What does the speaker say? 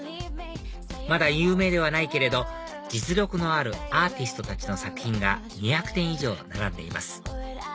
まだ有名ではないけれど実力のあるアーティストたちの作品が２００点以上並んでいます